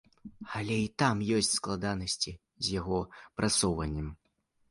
Але і там ёсць складанасці з яго прасоўваннем.